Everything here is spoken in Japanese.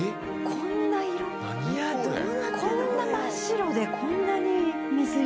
こんな真っ白でこんなに水色。